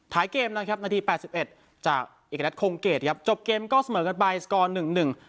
ท้ายเกมนะครับนาทีแปดสิบเอ็ดจากจบเกมก็เสมอกันไปสกอร์หนึ่งหนึ่ง